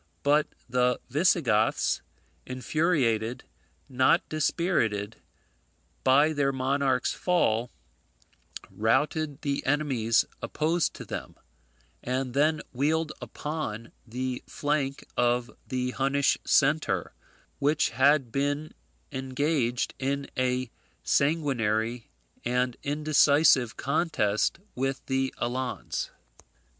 But the Visigoths, infuriated, not dispirited, by their monarch's fall, routed the enemies opposed to them, and then wheeled upon the flank of the Hunnish centre, which had been engaged in a sanguinary and indecisive contest with the Alans.